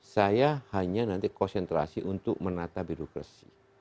saya hanya nanti konsentrasi untuk menata birokrasi